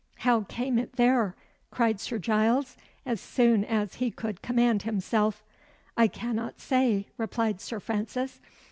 "How came it there?" cried Sir Giles, as soon as he could command himself. "I cannot say," replied Sir Francis.